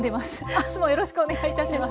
明日もよろしくお願いいたします。